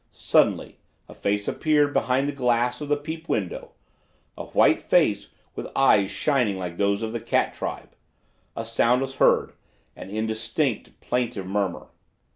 Suddenly a face appeared behind the glass of the peep window, a white face with eyes shining like those of the cat tribe. A sound was heard, an indistinct plaintive murmur.